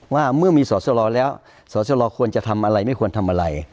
ว่าเมื่อมีสอสลอแล้วสอสรควรจะทำอะไรไม่ควรทำอะไร